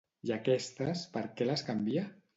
I aquestes, per què les canvia?